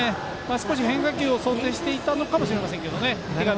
少し変化球を想定していたのかもしれません。